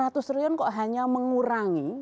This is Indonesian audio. seratus triliun kok hanya mengurangi